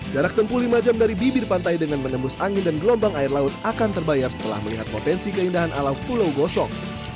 jarak tempuh lima jam dari bibir pantai dengan menembus angin dan gelombang air laut akan terbayar setelah melihat potensi keindahan alam pulau gosong